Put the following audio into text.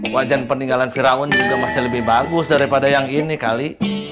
wajan peninggalan firaun juga masih lebih bagus daripada yang ini kali